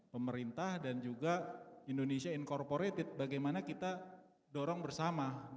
pemerintah dan juga indonesia incorporated bagaimana kita dorong bersama